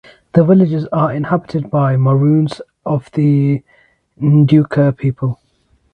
The villages are inhabited by Maroons of the Ndyuka people.